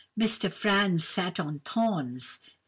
Mr. Franz sat on thorns.